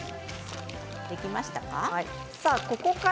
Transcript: できましたか？